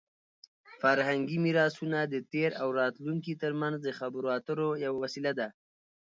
فرهنګي میراثونه د تېر او راتلونکي ترمنځ د خبرو اترو یوه وسیله ده.